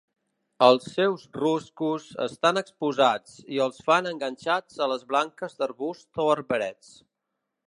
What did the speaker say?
Els seus ruscos estan exposats i els fan enganxats a les branques d'arbusts o arbrets.